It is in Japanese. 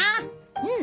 うん！